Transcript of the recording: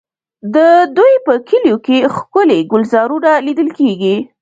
د دوی په کلیو کې ښکلي ګلزارونه لیدل کېږي.